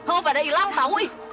oh pada hilang tahu nih